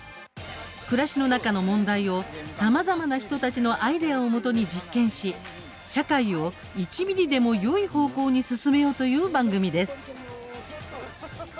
暮らしの中の問題をさまざまな人たちのアイデアをもとに実験し、社会を１ミリでもよい方向に進めようという番組です。